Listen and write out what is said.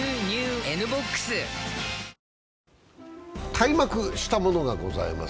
開幕したものがございます。